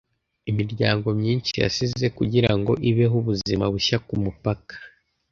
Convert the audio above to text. Imiryango myinshi yasize kugirango ibeho ubuzima bushya kumupaka.